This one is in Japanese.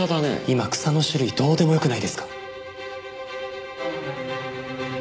今草の種類どうでもよくないですか？